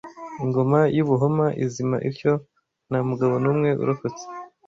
Ingoma y’u Buhoma izima ityo nta mugabo numwe urokotse